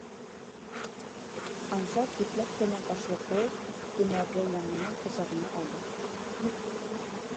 Ансар ипләп кенә башлыҡлы түмәрҙе яңынан ҡосағына алды.